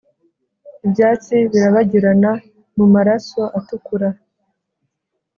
ibyatsi birabagirana mu maraso atukura;